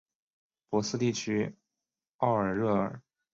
博斯地区奥尔热尔。